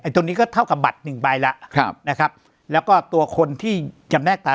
ตรงนี้ก็เท่ากับบัตรหนึ่งใบแล้วนะครับแล้วก็ตัวคนที่จำแนกตาย